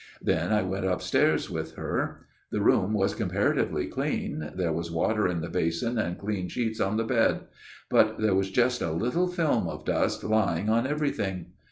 Then I went upstairs with her. The room was comparatively clean ; there was water in the basin ; and clean sheets on the bed ; but there was just a little film of dust lying on everything.